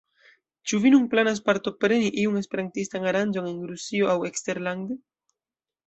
Ĉu vi nun planas partopreni iun esperantistan aranĝon en Rusio aŭ eksterlande?